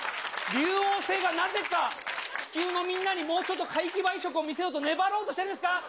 竜王星がなぜか、地球のみんなにもうちょっと皆既梅食を見せようと、粘ろうとしてるんですか。